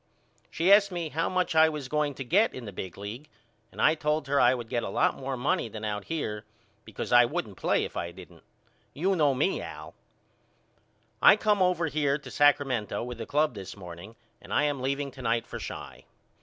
She asked me how much I was going to get in the big league and I told her I would get a lot more money than out here because I wouldn't play if I didn't. You know me Al. I come over here to Sacramento with the club this morning and I am leaving to night for Chi.